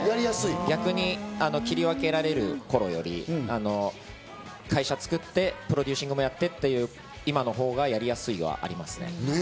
逆に切り分けられる頃より会社を作って、プロデューシングもやってっていう、今のほうがやりやすいのはありますね。